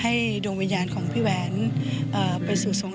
พี่ว่าความมีสปีริตของพี่แหวนเป็นตัวอย่างที่พี่จะนึกถึงเขาเสมอ